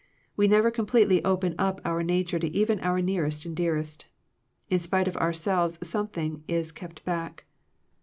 We never completely open up our nature to even our nearest and dearest. In spite of our selves something is kept back.